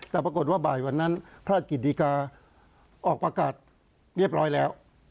แต่ปรากฏว่าบ่ายวันนั้นพระราชกิจดีกาออกประกาศเรียบร้อยแล้ว